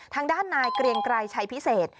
ทางด้านนายเกรียงไกรชัยพิเศษ